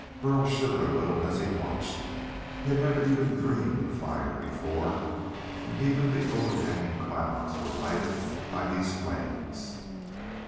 Burl shivered a little, as he watched. He had never even dreamed of fire before, and even the overhanging clouds were lighted by these flames.